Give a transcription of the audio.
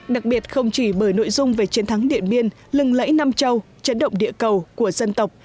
đặc biệt không chỉ bởi nội dung về chiến thắng điện biên lừng lẫy nam châu chấn động địa cầu của dân tộc